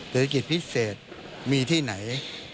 เศรษฐกิจพิเศษมีที่ไหน